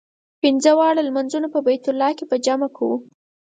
پنځه واړه لمونځونه په بیت الله کې په جمع کوو.